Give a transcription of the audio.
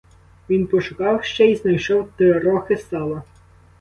Він пошукав ще й знайшов трохи сала.